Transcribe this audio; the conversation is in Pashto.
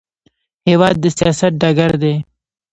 هېواد د سیاست ډګر دی.